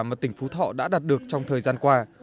mà tỉnh phú thọ đã đạt được trong thời gian qua